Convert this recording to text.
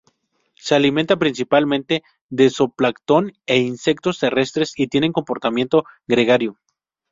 Se alimenta principalmente de zooplancton e insectos terrestres y tienen comportamiento gregario.